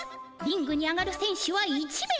リングに上がるせん手は１名。